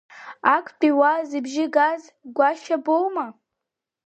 Актәи уаа, зыбжьы газ Гәашьа боума?